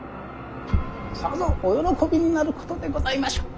さぞお喜びになることでございましょう。